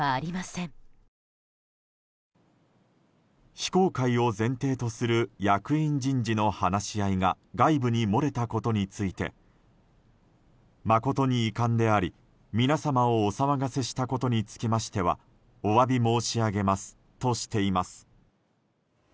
非公開を前提とする役員人事の話し合いが外部に漏れたことについて誠に遺憾であり、皆様をお騒がせしたことにつきましてはお詫び申し上げますとしています。